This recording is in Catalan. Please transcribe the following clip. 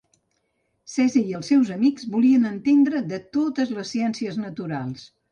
Cesi i els seus amics volien entendre de totes les ciències naturals.